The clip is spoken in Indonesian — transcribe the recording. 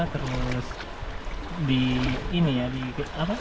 terus di daerah daerah yang aktivitas milayan itu kurang